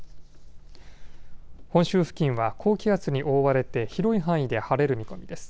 本州付近は高気圧に覆われて広い範囲で晴れる見込みです。